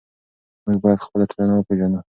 موږ باید خپله ټولنه وپېژنو.